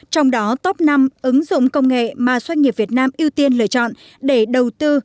trong đó top năm ứng dụng công nghệ mà doanh nghiệp việt nam ưu tiên lựa chọn để đầu tư